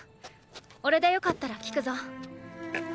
おれでよかったら聞くぞ。